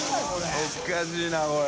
おかしいなこれ。